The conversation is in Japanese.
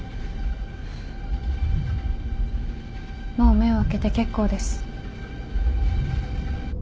もう目を開けて結構です。